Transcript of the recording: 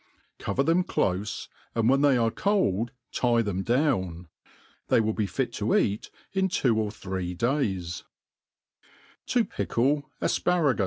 Cover them clofe, and when they are cold tie them dawn» Tbey will be fit to eat in two or three days* To pickle Afparagm.